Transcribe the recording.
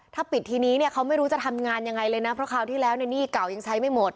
ถ้าปิดทีนี้เนี่ยเขาไม่รู้จะทำงานยังไงเลยนะเพราะคราวที่แล้วในหนี้เก่ายังใช้ไม่หมด